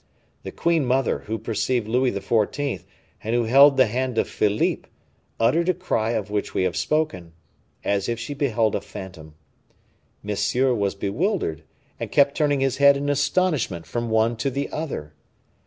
The queen mother, who perceived Louis XIV., and who held the hand of Philippe, uttered a cry of which we have spoken, as if she beheld a phantom. Monsieur was bewildered, and kept turning his head in astonishment from one to the other.